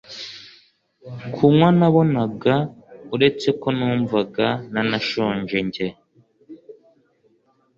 kunywa nabonaga uretse ko numvaga ntanashonje njye